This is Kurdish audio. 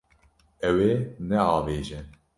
Ew ê neavêje.